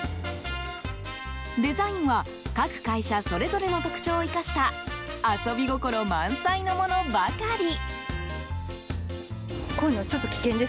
デザインは各会社それぞれの特徴を生かした遊び心満載のものばかり。